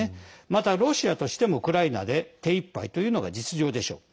またロシアとしてもウクライナで手一杯というのが実情でしょう。